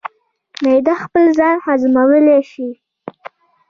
معده خپل ځان هضمولی شي.